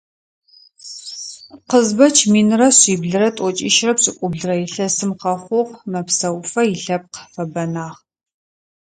Къызбэч минрэ шъиблрэ тӀокӀищырэ пшӀыкӀублырэ илъэсым къэхъугъ, мэпсэуфэ илъэпкъ фэбэнагъ.